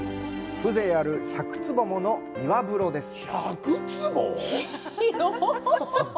風情ある１００坪もの岩風呂です。